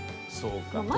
そうか。